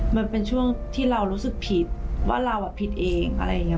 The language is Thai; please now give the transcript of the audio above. มันเป็นช่วงที่เรารู้สึกผิดว่าเราผิดเองอะไรอย่างนี้